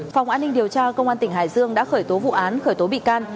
phòng an ninh điều tra công an tỉnh hải dương đã khởi tố vụ án khởi tố bị can